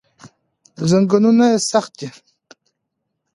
زنګونونه سخت دي.